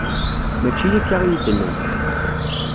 Mačči akka i iyi-d-nnan.